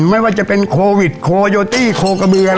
ไม่ว่าจะเป็นโควิดโคโยตี้โคกระเบือ